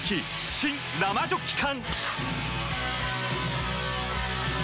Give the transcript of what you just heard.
新・生ジョッキ缶！